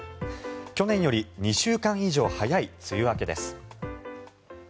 去年より２週間以上早い梅雨明けです。